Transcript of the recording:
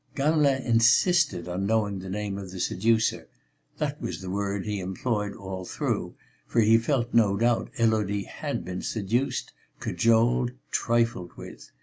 Gamelin insisted on knowing the name of the seducer, that was the word he employed all through, for he felt no doubt Élodie had been seduced, cajoled, trifled with.